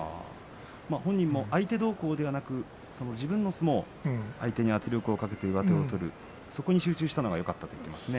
本人も相手どうこうではなく、自分の相撲、相手に圧力をかけて上手を取るそこに集中したのがよかったと話してますね。